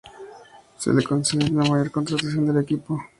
Se le considera la mejor contratación del equipo.